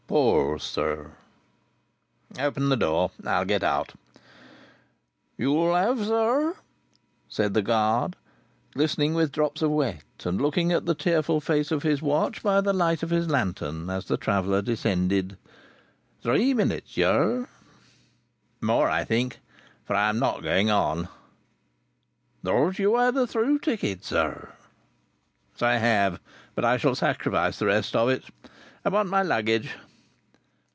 "Pours, sir." "Open the door. I'll get out." "You'll have, sir," said the guard, glistening with drops of wet, and looking at the tearful face of his watch by the light of his lantern as the traveller descended, "three minutes here." "More, I think.—For I am not going on." "Thought you had a through ticket, sir?" "So I have, but I shall sacrifice the rest of it. I want my luggage."